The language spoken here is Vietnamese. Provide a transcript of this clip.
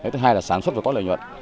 thứ hai là sản xuất và có lợi nhuận